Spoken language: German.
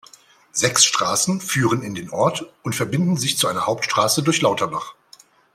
Sechs Straßen führen in den Ort und verbinden sich zu einer Hauptstraße durch Lauterbach.